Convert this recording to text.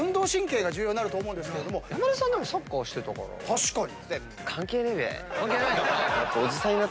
確かに！